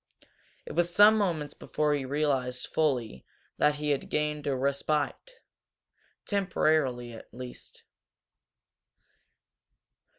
It was some moments before he realized fully that he had gained a respite, temporally at least.